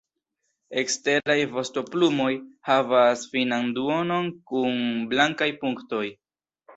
Eksteraj vostoplumoj havas finan duonon kun blankaj punktoj.